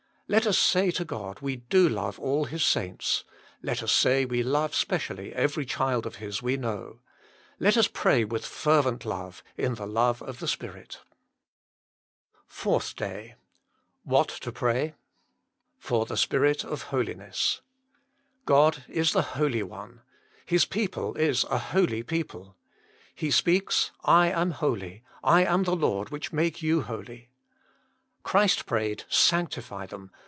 Let us say to God we lo love all His saints; let us say we love specially every child of His we know. Let us pray with fervent love, in the love of the Spirit SPECIAL PETITIOX8 PRAY WITHOUT CEASING FOURTH DAY WHAT TO PKAY. |F0r iljc Spirit of fjolinrss God is the Holy One. His people is a holy people. He speaks : I am holy: I am the Lord which make you holy. Christ prayed : Sanctify them.